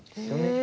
え。